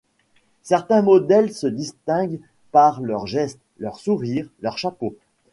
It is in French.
Certains modèles se distinguent par leurs gestes, leur sourire, leur chapeau.